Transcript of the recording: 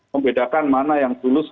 membedakan mana yang tulus